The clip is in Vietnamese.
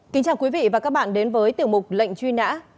kính chào quý vị và các bạn đến với tiểu mục lệnh truy nã